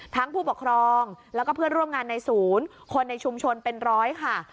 ผู้ปกครองแล้วก็เพื่อนร่วมงานในศูนย์คนในชุมชนเป็นร้อยค่ะ